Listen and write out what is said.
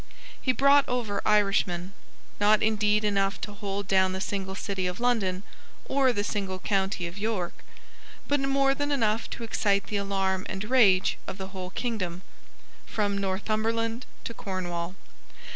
He brought over Irishmen, not indeed enough to hold down the single city of London, or the single county of York, but more than enough to excite the alarm and rage of the whole kingdom, from Northumberland to Cornwall.